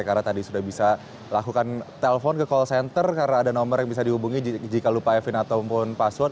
karena tadi sudah bisa lakukan telpon ke call center karena ada nomor yang bisa dihubungi jika lupa fin ataupun password